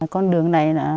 con đường này